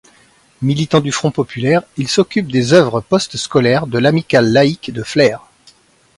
Militant du Front populaire, il s'occupe des œuvres post-scolaires de l'amicale laïque de Flers.